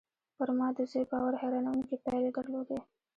پر ما د زوی باور حيرانوونکې پايلې درلودې